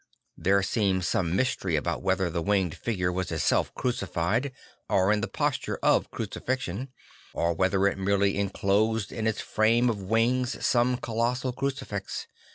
There seems some mystery about whether the winged figure was itself crucified or in the posture of crucifixion, or whether it merely enclosed in its frame of wings some colossal crucifix.